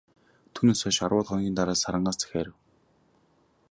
Түүнээс хойш арваад хоногийн дараа, Сарангаас захиа ирэв.